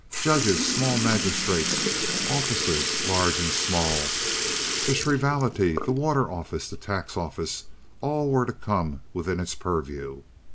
Judges, small magistrates, officers large and small, the shrievalty, the water office, the tax office, all were to come within its purview.